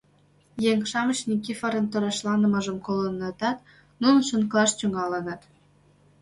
Еҥ-шамыч Никифорын торешланымыжым колынытат, нунат шонкалаш тӱҥалыныт.